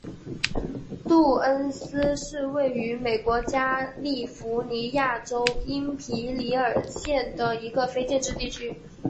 杜恩斯是位于美国加利福尼亚州因皮里尔县的一个非建制地区。